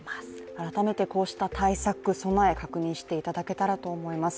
改めてこうした対策、備え、確認していただけたらと思います。